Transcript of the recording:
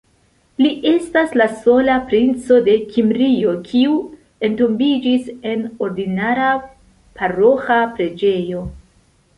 Li estas la sola princo de Kimrio kiu entombiĝis en ordinara paroĥa preĝejo.